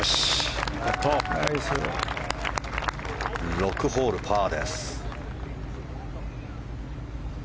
６ホール、パーです。